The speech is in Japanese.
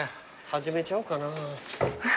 始めちゃおうかな。